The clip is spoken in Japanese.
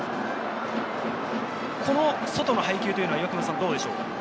この外の配球というのはどうでしょう？